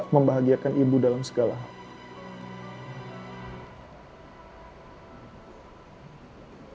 membahagiakan ibu dalam segala hal